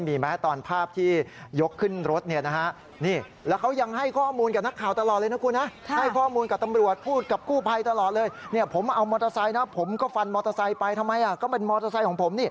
มอเตอร์ไซค์ไปทำไมก็เป็นมอเตอร์ไซค์ของผม